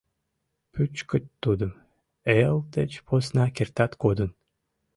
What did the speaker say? Пӱчкыт тудым, эл деч посна кертат кодын.